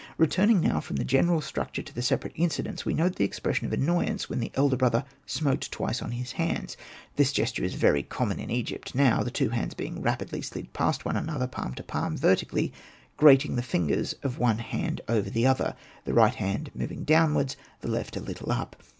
Returning now from the general structure to the separate incidents, we note the expression of annoyance where the elder brother ''smote twice on his hands/' This gesture is very common in Egypt now, the two hands being rapidly shd one past the other, palm to palm, vertically, grating the fingers of one hand over the other ; the right hand moving down wards, and the left a httle up.